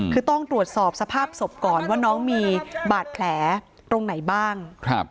คือต้องตรวจสอบสภาพศพก่อนว่าน้องมีบาดแผลตรงไหนบ้าง